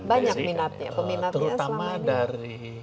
banyak peminatnya peminatnya selama ini